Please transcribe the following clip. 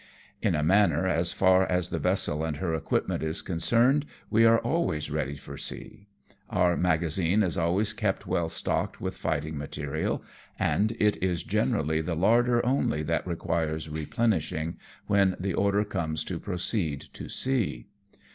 In a manner^.as far as the vessel and her equipment is concerned, we are always ready for sea ; our maga zine is always kept well stocked with fighting material, and it is generally the larder only that requires re plenishing, when the order comes to proceed to sea.